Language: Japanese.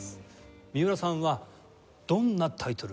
三浦さんはどんなタイトルつけますか？